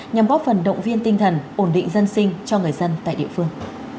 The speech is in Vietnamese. nhằm góp phần động viên tinh thần ổn định dân sinh cho người dân tại địa phương